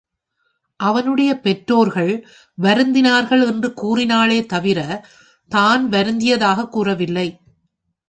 அவனுடைய பெற்றோர்கள் வருந்தினார்கள் என்று கூறினாளே தவிரத் தான் வருந்தியதாகக் கூறவில்லை.